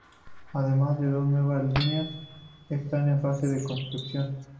Además, dos nuevas líneas están en fase de construcción.